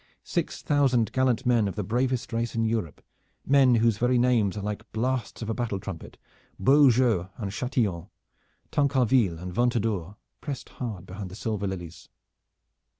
Six thousand gallant men of the bravest race in Europe, men whose very names are like blasts of a battle trumpet Beaujeus and Chatillons, Tancarvilles and Ventadours pressed hard behind the silver lilies.